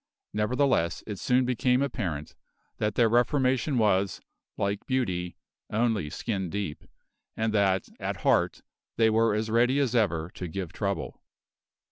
Nevertheless it soon became apparent that their reformation was, like beauty, only skin deep, and that at heart they were as ready as ever to give trouble.